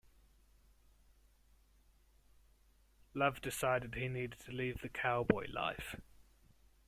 Love decided he needed to leave the cowboy life.